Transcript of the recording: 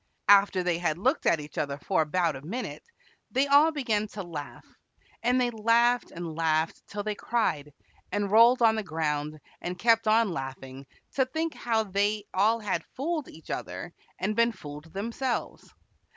After they had looked at each other for about a minute they all began to laugh, and they laughed and laughed till they cried, and rolled on the ground and kept on laughing to think how they all had fooled each other and been fooled themselves.